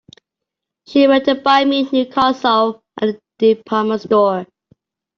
She went to buy me a new console at the department store.